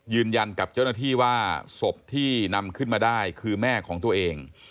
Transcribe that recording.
ยืนยันกับเจ้าหน้าที่ว่าศพที่นำขึ้นมาได้คือแม่ของตัวเอง